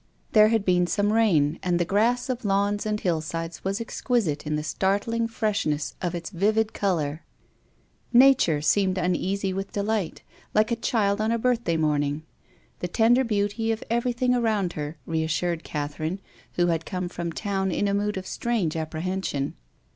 There had been some rain and the grass of lawns and hillsides was exquisite in the startling freshness of its vivid colour. Nature seemed uneasy with delight, like a child on a birthday morning. The tender beauty of every thing around her reassured Catherine, who had come from town in a mood of strange apprehen sion.